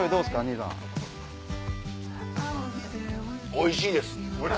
おいしいです。